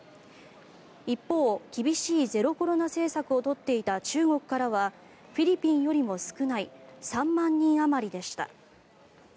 一方、厳しいゼロコロナ政策を取っていた中国からはフィリピンよりも少ない３万人あまりでした。